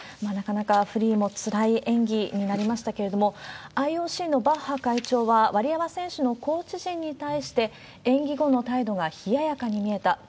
なかなかフリーもつらい演技になりましたけれども、ＩＯＣのバッハ会長は、ワリエワ選手のコーチ陣に対して、演技後の態度が冷ややかに見えた。